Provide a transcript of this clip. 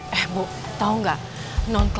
berbuat sok muddy